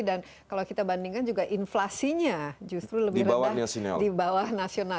dan kalau kita bandingkan juga inflasinya justru lebih rendah di bawah nasional